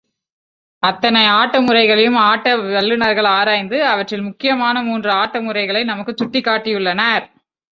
அத்தனை ஆட்ட முறைகளையும் ஆட்ட வல்லுநர்கள் ஆராய்ந்து, அவற்றில் முக்கியமான மூன்று ஆட்ட முறைகளை நமக்கு சுட்டிக் காட்டியுள்ளனர்.